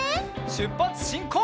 しゅっぱつしんこう！